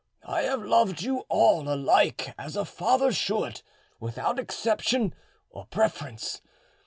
I have loved you all alike, as a father should, without exception or preference.